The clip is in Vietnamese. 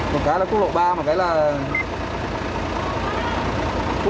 một cái là cốt lộ ba một cái là cốt lộ sáu